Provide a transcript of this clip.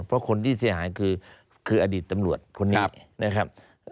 เพราะคนที่เสียหายคืออดีตตำรวจคนนี้นะครับ